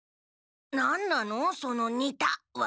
何なのその「ニタッ」は？